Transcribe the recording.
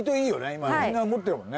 今みんな持ってるもんね。